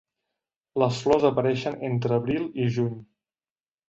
Les flors apareixen entre abril i juny.